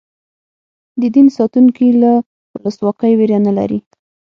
د دین ساتونکي له ولسواکۍ وېره نه لري.